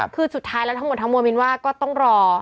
คือสุดท้ายแล้วทั้งหมดทั้งมวลมินว่าก็ต้องรอ